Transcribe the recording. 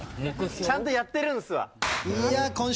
ちゃんとやってるんすわ。